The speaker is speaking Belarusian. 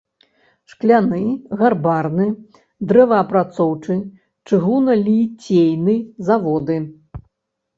Шкляны, гарбарны, дрэваапрацоўчы, чыгуналіцейны заводы.